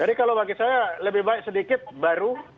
jadi kalau bagi saya lebih baik sedikit baru